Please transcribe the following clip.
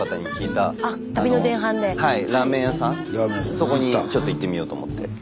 そこにちょっと行ってみようと思って。